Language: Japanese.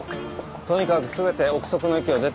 とにかく全て臆測の域を出ていませんよ。